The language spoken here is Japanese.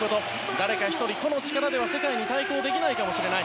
誰か１人、個の力では世界に対抗できないかもしれない。